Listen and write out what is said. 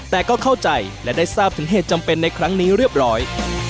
แต่ก็เข้าใจและได้ทราบถึงเหตุจำเป็นในครั้งนี้เรียบร้อย